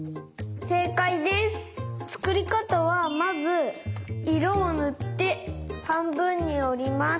つくりかたはまずいろをぬってはんぶんにおります。